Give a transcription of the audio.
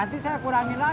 jadi kelihatan gua ke liar